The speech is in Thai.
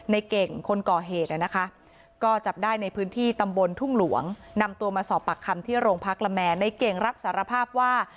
ในเก่งคนก่อเหตุนะคะก็จับได้ในพื้นที่ตำบลทุ่งหลวงนำตัวมาสอบปากคำที่โรงพักละแมนในเก่งรับสารภาพว่า